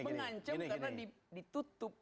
mengancam karena ditutup